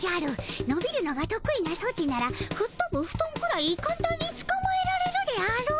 のびるのがとく意なソチならふっとぶフトンくらいかんたんにつかまえられるであろう。